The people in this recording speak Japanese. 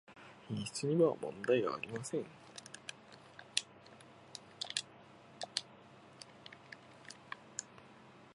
品質にはもんだいありません